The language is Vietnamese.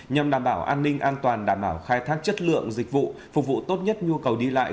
nhằm đảm bảo an ninh an toàn đảm bảo khai thác chất lượng dịch vụ phục vụ tốt nhất nhu cầu đi lại